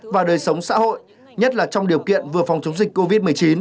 và đời sống xã hội nhất là trong điều kiện vừa phòng chống dịch covid một mươi chín